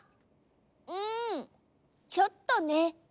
うんちょっとね。